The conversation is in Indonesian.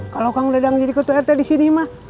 kalau kang dadang jadi ketua rt disini mah